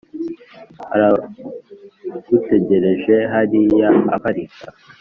aragutegereje hariya aparika